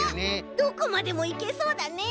どこまでもいけそうだね。